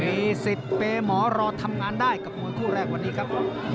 มีสิทธิ์เปย์หมอรอทำงานได้กับมวยคู่แรกวันนี้ครับ